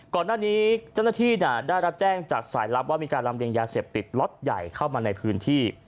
ก่อนหน้านี้เจ้าหน้าที่ได้รับแจ้งจากสายลับว่ามีการลำเรียงยาเสพติดล็อตใหญ่เข้ามาในพื้นที่